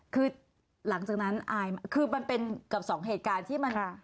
คือหลังจากนั้นอายคือมันเป็นกับสองเหตุการณ์ที่มัน